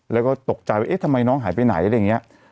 แล้วก็ตกใจว่าเอ๊ะทำไมน้องหายไปไหนอะไรอย่างนี้